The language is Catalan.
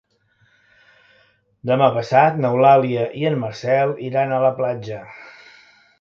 Demà passat n'Eulàlia i en Marcel iran a la platja.